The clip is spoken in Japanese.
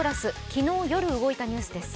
昨日、夜動いたニュースです。